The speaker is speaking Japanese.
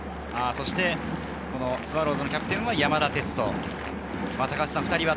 そしてスワローズのキャプテンは山田哲人。